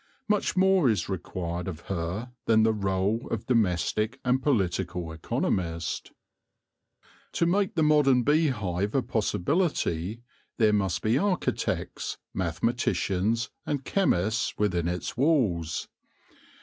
Much more is required of her than the role of domestic and political economist. 5 8 THE LORE OF THE HONEY BEE To make the modern bee hive a possibility there must be architects, mathematicians, and chemists within its walls.